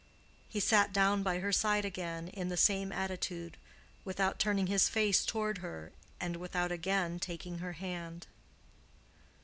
He sat down by her side again in the same attitude—without turning his face toward her and without again taking her hand.